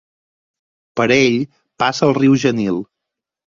Per ell passa el riu Genil.